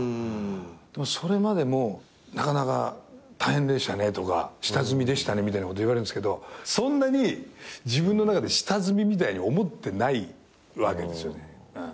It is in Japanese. でもそれまでもなかなか大変でしたねとか下積みでしたねみたいなこと言われるんですけどそんなに自分の中で下積みみたいに思ってないわけですよね。